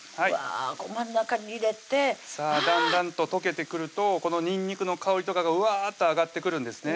うわ真ん中に入れてあだんだんと溶けてくるとこのにんにくの香りとかがうわっと上がってくるんですね